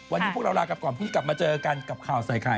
วันนี้พวกเราลากลับก่อนพรุ่งนี้กลับมาเจอกันกับข่าวใส่ไข่